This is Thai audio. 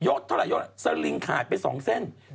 ยกเท่าไหร่ยกเท่าไหร่สลิงขายไป๒เส้น